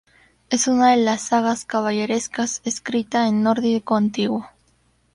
Es una de las sagas caballerescas escrita en nórdico antiguo.